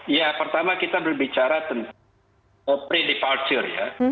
ya pertama kita berbicara tentang pre departure ya